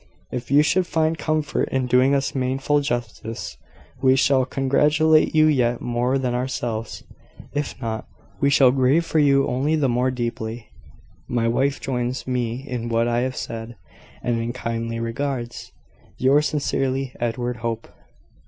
If you should find comfort in doing us manful justice, we shall congratulate you yet more than ourselves: if not, we shall grieve for you only the more deeply. "My wife joins me in what I have said, and in kindly regards. "Yours sincerely, "Edward Hope."